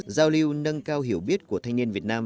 giao lưu nâng cao hiểu biết của thanh niên việt nam